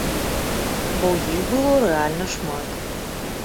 Бо іх было рэальна шмат.